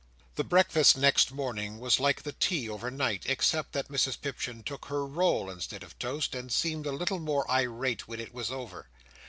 The breakfast next morning was like the tea over night, except that Mrs Pipchin took her roll instead of toast, and seemed a little more irate when it was over.